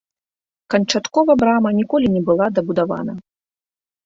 Канчаткова брама ніколі не была дабудавана.